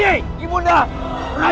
kamu gak bisa